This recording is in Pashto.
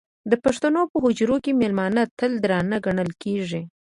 د پښتنو په حجرو کې مېلمانه تل درانه ګڼل کېږي.